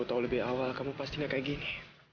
yaudah kemana ini